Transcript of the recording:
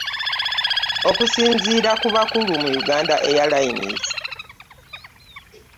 Okusinziira ku bakulu mu Uganda Airlines